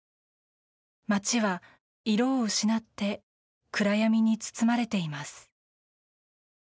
街は色を失って暗闇に包まれています。